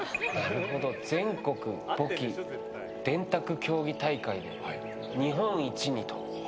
全国簿記電卓競技大会で日本一にと。